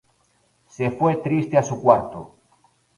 Se fue triste a su cuarto.